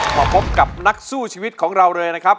มาพบกับนักสู้ชีวิตของเราเลยนะครับ